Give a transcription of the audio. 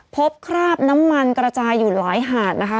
คราบน้ำมันกระจายอยู่หลายหาดนะคะ